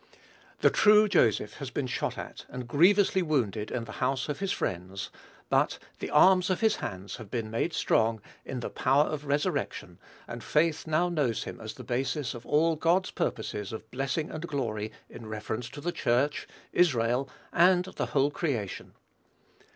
The true Joseph has been shot at and grievously wounded in the house of his friends; but "the arms of his hands have been made strong" in the power of resurrection, and faith now knows him as the basis of all God's purposes of blessing and glory in reference to the Church, Israel, and the whole creation.